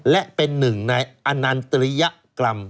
และเป็นหนึ่งในอนันตริยกรรม